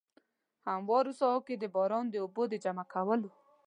هموارو ساحو کې د باران د اوبو د جمع کولو.